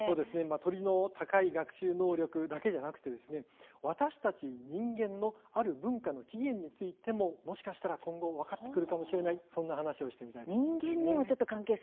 鳥の高い学習能力だけではなくて私たち人間のある文化の起源についても、もしかしたら今後分かってくるかもしれないそんな話をしてみたいと思います。